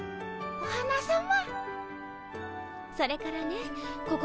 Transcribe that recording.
お花さま。